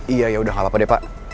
iya yaudah hal apa deh pak